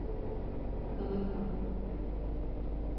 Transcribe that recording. Kana kan.